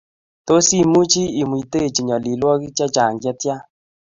Tos imuchi imuitochi nyalilwokik chechang chetia